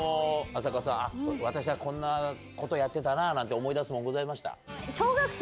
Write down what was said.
浅香さん「私はこんなことやってたなぁ」なんて思い出すもんございました？